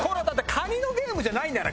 カニのゲームじゃないんだから。